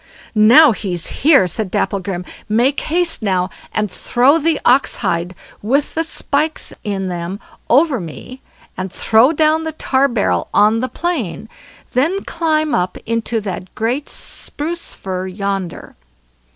"Now, he's here!" said Dapplegrim; "make haste, now, and throw the ox hides, with the spikes in them, over me, and throw down the tar barrel on the plain; then climb up into that great spruce fir yonder.